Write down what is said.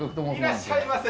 いらっしゃいませ！